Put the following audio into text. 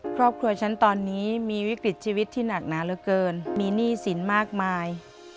ครอบครัวฉันตอนนี้มีวิกฤตชีวิตที่หนักหนาเหลือเกินมีหนี้สินมากมาย